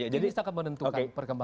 jadi ini akan menentukan perkembangan